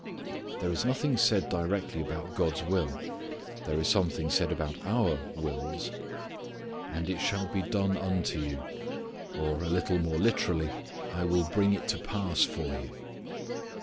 There is nothing said directly about God's will. There is something said about our wills. " And it shall be done unto you." Or, a little more literally, "I will bring it to pass for you."